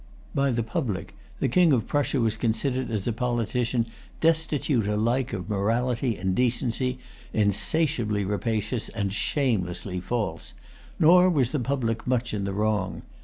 By the public, the King of Prussia was considered as a politician destitute alike of morality and decency, insatiably rapacious, and shamelessly false; nor was the public much in the wrong.